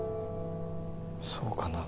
そうかな？